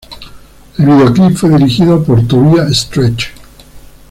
El videoclip fue dirigido por Tobias Stretch.